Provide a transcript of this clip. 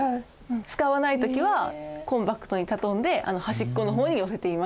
使わない時はコンパクトに畳んで端っこの方に寄せていました。